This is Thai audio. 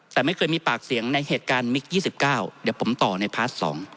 แต่ไม่เคยมีปากเสียงในเหตุการณ์มิค๒๙เดี๋ยวผมต่อในพาร์ท๒